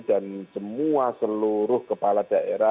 dan semua seluruh daerah yang kita kumpulkan kita akan mengevaluasi